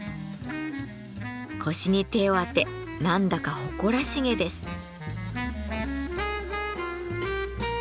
腰に手を当て何だか誇らしげです。